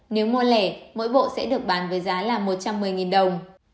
nếu mua lẻ mỗi bộ sẽ được bán với giá là một trăm một mươi đồng